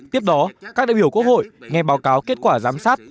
tiếp đó các đại biểu quốc hội nghe báo cáo kết quả giám sát